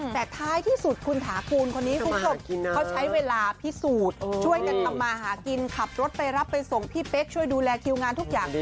แต่ท้ายที่สุดคุณถาคูณคนนี้คุณผู้ชมเขาใช้เวลาพิสูจน์ช่วยกันทำมาหากินขับรถไปรับไปส่งพี่เป๊กช่วยดูแลคิวงานทุกอย่าง